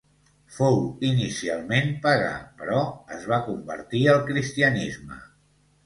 Fou inicialment pagà però es va convertir al cristianisme.